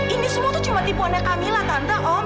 ini semua tuh cuma tipuannya kamilah tante om